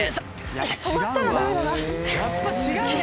やっぱ違うね。